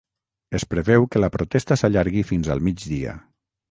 Es preveu que la protesta s’allargui fins al migdia.